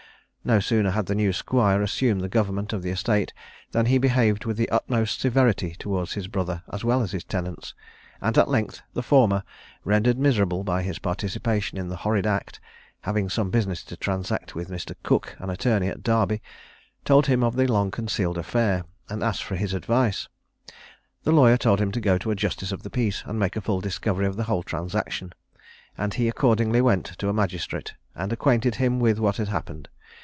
No sooner had the new squire assumed the government of the estate than he behaved with the utmost severity towards his brother as well as his tenants; and at length the former, rendered miserable by his participation in the horrid act, having some business to transact with Mr. Cooke, an attorney at Derby, told him of the long concealed affair, and asked his advice. The lawyer told him to go to a justice of the peace and make a full discovery of the whole transaction; and he accordingly went to a magistrate, and acquainted him with what had happened.